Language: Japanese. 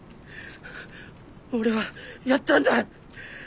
俺はやったんだ。